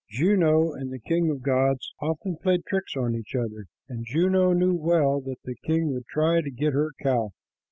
Juno and the king of the gods often played tricks on each other, and Juno knew well that the king would try to get her cow.